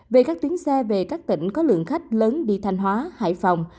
về các tuyến xe về các tỉnh có lượng khách lớn đi thanh hóa hải phòng